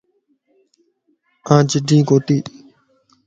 آن جڍين ڪوتي